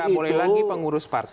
tidak boleh lagi pengurus partai